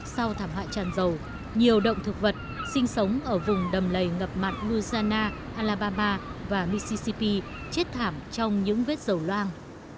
sau thảm hại tràn dầu nhiều động thực vật sinh sống ở vùng đầm lầy ngập mặt louisiana alabama và mississippi chết thảm trong những vết dầu loang